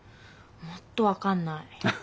もっと分かんない。